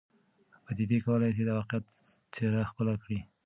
پدیدې کولای سي د واقعیت څېره خپل کړي.